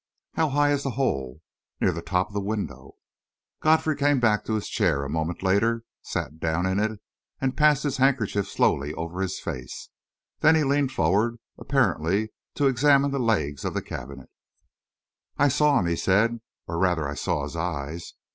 "How high is the hole?" "Near the top of the window." Godfrey came back to his chair a moment later, sat down in it, and passed his handkerchief slowly over his face. Then he leaned forward, apparently to examine the legs of the cabinet. "I saw him," he said. "Or, rather, I saw his eyes.